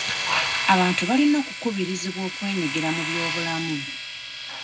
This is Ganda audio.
Abantu balina okukubirizibwa okwenyigira mu by'obulamu.